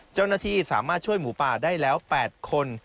เจ้าหน้าที่สามารถช่วยหมูป่าได้แล้ว๘คน